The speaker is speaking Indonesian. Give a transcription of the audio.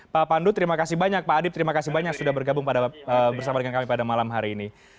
pak pandu terima kasih banyak pak adip terima kasih banyak sudah bergabung bersama dengan kami pada malam hari ini